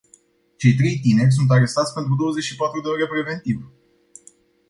Cei trei tineri sunt arestați pentru douăzeci și patru de ore preventiv.